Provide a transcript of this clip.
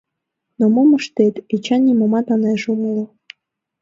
Но мом ыштет, Эчан нимомат ынеж умыло.